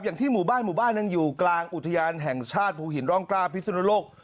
อย่างที่หมู่บ้านหมู่บ้านหนึ่งอยู่กลางอุทยานแห่งชาติภูหินร่องกล้าพิสุนโลก